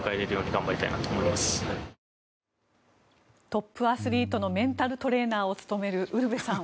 トップアスリートのメンタルトレーナーを務めるウルヴェさん。